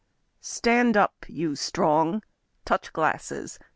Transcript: Stand up, you Strong! Touch glasses!